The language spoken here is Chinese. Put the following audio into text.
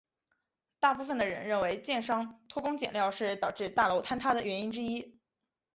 大部分的人认为建商偷工减料是导致大楼坍塌原因之一。